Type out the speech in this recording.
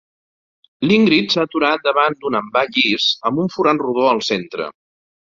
L'Ingrid s'ha aturat davant d'un envà llis amb un forat rodó al centre.